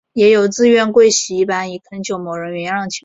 也有自愿跪洗衣板以作恳求某人原谅的情况。